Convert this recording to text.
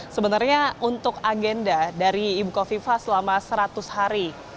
sebenarnya untuk agenda dari ibu kofifa selama seratus hari